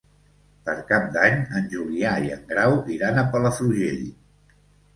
Per Cap d'Any en Julià i en Grau iran a Palafrugell.